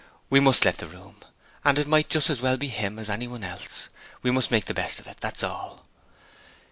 We must let the room and it might just as well be him as anyone else. We must make the best of it, that's all.'